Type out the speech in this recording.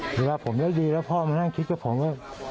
เวลาผมได้ดีแล้วพ่อมานั่งคิดกับผมว่า